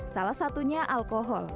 salah satunya alkohol